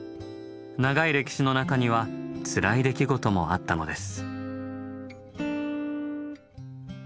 長い歴史の中にはつらい出来事もあったのです。